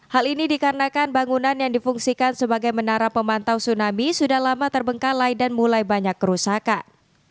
hal ini dikarenakan bangunan yang difungsikan sebagai menara pemantau tsunami sudah lama terbengkalai dan mulai banyak kerusakan